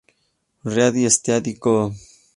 Ready, Steady, Go!